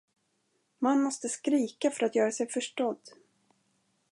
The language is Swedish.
Man måste skrika för att göra sig förstådd.